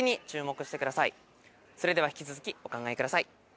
それでは引き続きお考えください。